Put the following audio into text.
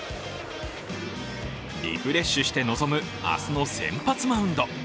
リフレッシュして臨む明日の先発マウンド。